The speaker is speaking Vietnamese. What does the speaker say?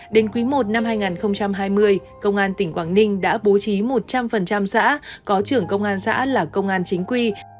đến quý i năm hai nghìn hai mươi công an tỉnh quảng ninh đã bố trí một trăm linh xã có trưởng công an xã là công an chính quy